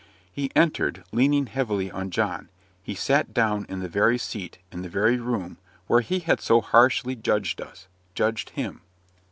He entered, leaning heavily on John. He sat down in the very seat, in the very room, where he had so harshly judged us judged him.